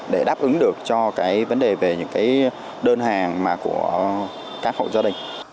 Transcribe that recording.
để đáp ứng được cho cái vấn đề về những cái đơn hàng mà của các hộ gia đình